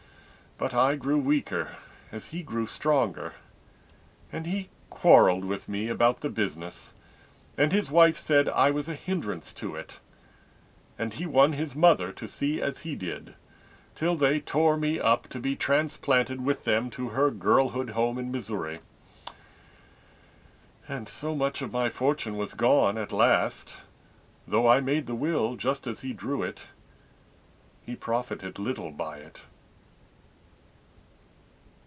But I grew weaker, as he grew stronger, And he quarreled with me about the business, And his wife said I was a hindrance to it; And he won his mother to see as he did, Till they tore me up to be transplanted With them to her girlhood home in Missouri. And so much of my fortune was gone at last, Though I made the will just as he drew it, He profited little by it.